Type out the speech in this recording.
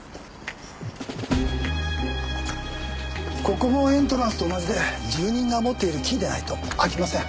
ここもエントランスと同じで住人が持っているキーでないと開きません。